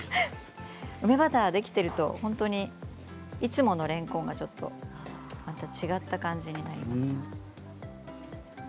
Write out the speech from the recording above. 梅バターができているといつものれんこんがまた違った感じになります。